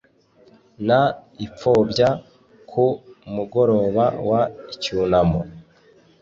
n ipfobya ku mugoroba w icyunamo